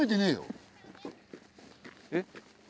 えっ？